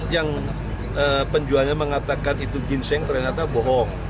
yang penjualnya mengatakan itu ginseng ternyata bohong